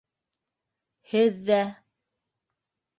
- Һеҙ ҙә...